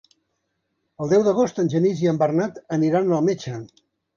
El deu d'agost en Genís i en Bernat aniran al metge.